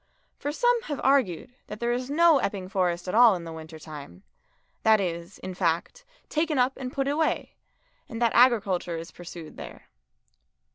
For some have argued that there is no Epping Forest at all in the winter time; that it is, in fact, taken up and put away, and that agriculture is pursued there.